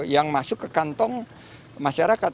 yang masuk ke kantong masyarakat